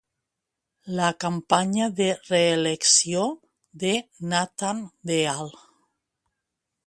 La campanya de reelecció de Nathan Deal.